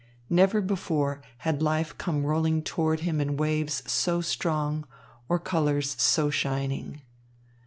Never before had life come rolling toward him in waves so strong or colours so shining.